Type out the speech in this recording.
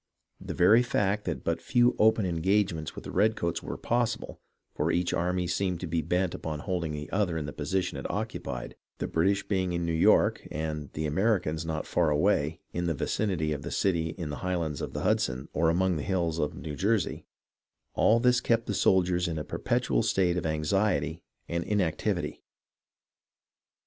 The very fact that but few open engagements with the redcoats were possible, — for each army seemed to be bent upon holding the other in the position it occupied, the British being in New York, and the Americans not far away, in the vicinity of the city in the highlands of the Hudson or among the hills of New Jersey, — all this kept the soldiers in a perpetual state of anxiety and inactivity.